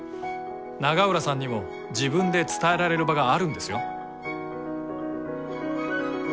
永浦さんにも自分で伝えられる場があるんですよ？